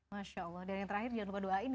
masya allah dan yang terakhir jangan lupa doain ya